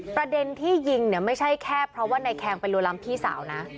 ประเด็นที่ยิงเนี่ยไม่ใช่แค่เพราะว่านายแคงไปรัวล้ำพี่สาวนะ